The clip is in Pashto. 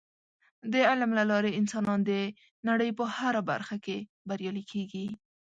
د علم له لارې انسانان د نړۍ په هره برخه کې بریالي کیږي.